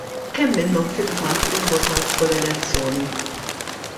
Kemm minnhom fil-fatt ivvotaw f'kull elezzjoni?